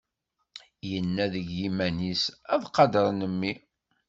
Inna deg yiman-is: Ad qadṛen mmi.